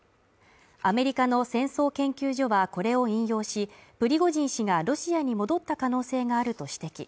アメリカの戦争研究所は、これを引用し、プリゴジン氏がロシアに戻った可能性があると指摘。